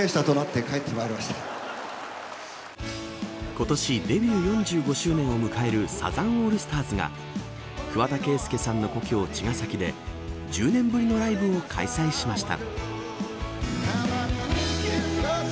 今年デビュー４５周年を迎えるサザンオールスターズが桑田佳祐さんの故郷茅ヶ崎で１０年ぶりのライブを開催しました。